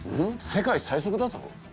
世界最速だと？